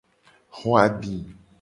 Xo abi.